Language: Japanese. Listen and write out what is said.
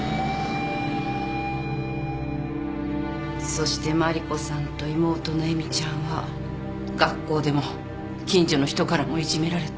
・そして麻里子さんと妹の絵美ちゃんは学校でも近所の人からもいじめられた。